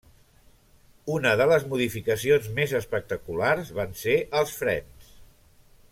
Una de les modificacions més espectaculars van ser els frens.